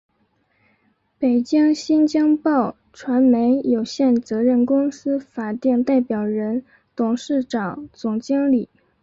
北京新京报传媒有限责任公司法定代表人、董事长、总经理